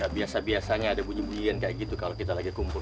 biasa biasanya ada bunyi bunyian kayak gitu kalau kita lagi kumpul